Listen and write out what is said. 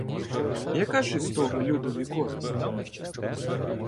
Яка ж із того людові користь?